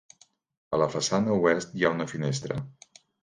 A la façana Oest hi ha una finestra.